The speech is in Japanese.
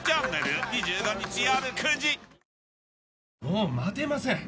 もう待てません。